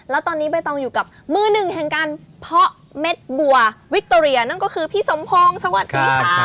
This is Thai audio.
แล้วตอนนี้ใบตองอยู่กับมือหนึ่งแห่งการเพาะเม็ดบัววิคโตเรียนั่นก็คือพี่สมพงศ์สวัสดีค่ะ